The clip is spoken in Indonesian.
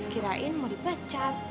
kirain mau dipecat